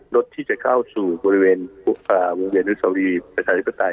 รถที่จะเข้าสู่บริเวณวงเวียนอุตสาวีประชาชนิดประตัย